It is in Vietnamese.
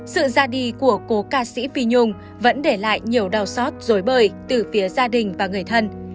sự ra đi của cố ca sĩ phi nhung vẫn để lại nhiều đau xót rối bời từ phía gia đình và người thân